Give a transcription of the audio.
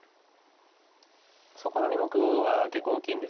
そこの２目は結構大きいんですよね。